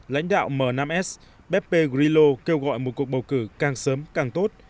lãnh đạo m năm s pepe grillo kêu gọi một cuộc bầu cử càng sớm càng tốt